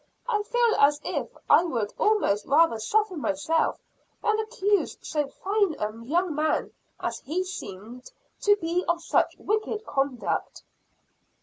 I feel as if I would almost rather suffer myself, than accuse so fine a young man as he seemed to be of such wicked conduct."